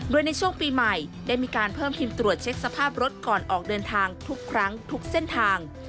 โดยในช่วงปีใหม่ได้มีการเพิ่มทีมตรวจเช็คสภาพรถก่อนออกเดินทางทุกครั้งทุกเส้นทาง